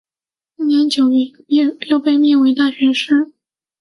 次年九月又被命为大学士。